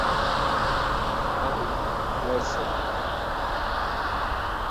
The couple divorced.